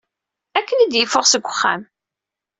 Akken i d-yeffeɣ seg uxxam.